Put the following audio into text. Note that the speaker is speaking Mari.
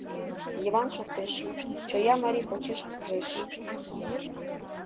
Йыван шортеш, чоя марий почеш куржеш.